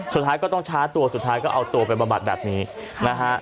สุดท้ายก็ต้องช้าตัวสุดท้ายก็เอาตัวไปบำบัดแบบนี้นะฮะ